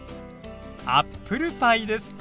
アップルパイです。